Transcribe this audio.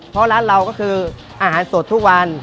เพราะร้านเราก็คืออาหารสดทุกวัน